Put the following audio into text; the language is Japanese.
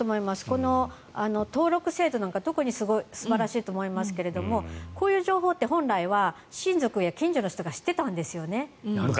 この登録制度なんか特に素晴らしいと思いますがこういう情報って本来は親族や近所の人が知ってたんですよね。